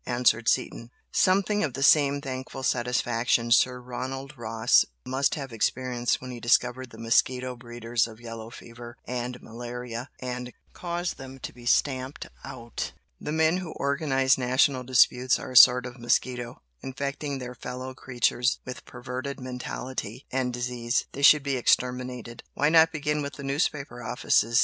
answered Seaton, "Something of the same thankful satisfaction Sir Ronald Ross must have experienced when he discovered the mosquito breeders of yellow fever and malaria, and caused them to be stamped out. The men who organise national disputes are a sort of mosquito, infecting their fellow creatures with perverted mentality and disease, they should be exterminated." "Why not begin with the newspaper offices?"